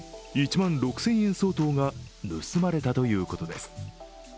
１万６０００円相当が盗まれたということです。